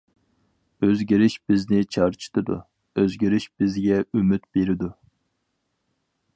ئۆزگىرىش بىزنى چارچىتىدۇ، ئۆزگىرىش بىزگە ئۈمىد بېرىدۇ.